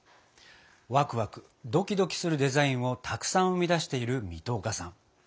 ワクワクドキドキするデザインをたくさん生み出している水戸岡さん。